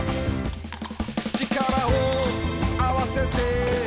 「力をあわせて」